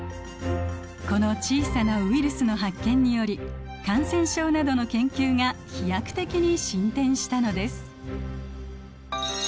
この小さなウイルスの発見により感染症などの研究が飛躍的に進展したのです。